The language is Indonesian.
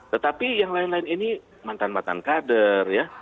tetapi yang lain lain ini mantan mantan kader ya